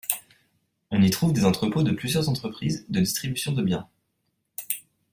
On y trouve des entrepôts de plusieurs entreprises de distribution de biens.